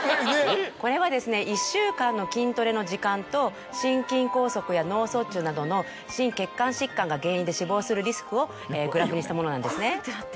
これは１週間の筋トレの時間と心筋梗塞や脳卒中などの心血管疾患が原因で死亡するリスクをグラフにしたものなんですね。